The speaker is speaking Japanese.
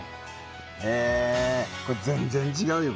へえ全然違うよ